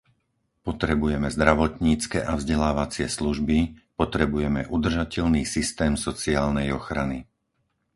Potrebujeme zdravotnícke a vzdelávacie služby, potrebujeme udržateľný systém sociálnej ochrany.